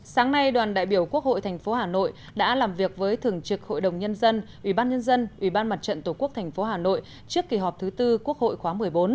sáng nay đoàn đại biểu quốc hội tp hà nội đã làm việc với thường trực hội đồng nhân dân ủy ban nhân dân ủy ban mặt trận tổ quốc tp hà nội trước kỳ họp thứ tư quốc hội khóa một mươi bốn